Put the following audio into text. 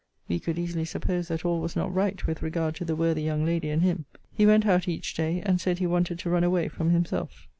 We could easily suppose that all was not right with regard to the worthy young lady and him. He went out each day; and said he wanted to run away from himself.